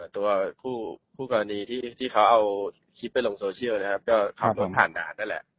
ตัวคู่กรณีที่เค้าเอาคลิปไปลงโซเชียลก็ผ่านดาดแล้ว